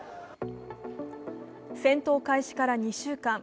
戦闘開始から２週間。